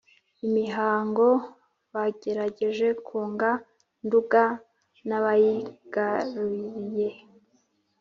imihango bagerageje kunga nduga n'abayigaruriye